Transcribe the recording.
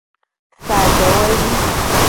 Sa dowevi.